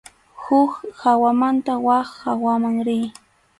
Huk hawamanta wak hawaman riy.